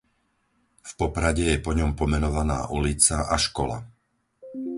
V Poprade je po ňom pomenovaná ulica a škola.